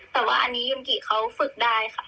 แต่ว่าอันนี้ยุมกิเขาฝึกได้ค่ะ